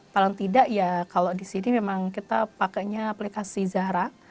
paling tidak ya kalau di sini memang kita pakainya aplikasi zahra